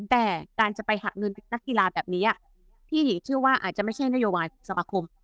แต่การจะไปหากเงินไปทักกีฬาแบบนี้ที่เชื่อว่าอาจจะไม่ช่อยนโยงประการสถาคม